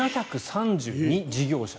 ７３２事業者。